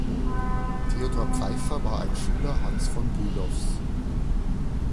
Theodor Pfeiffer war ein Schüler Hans von Bülows.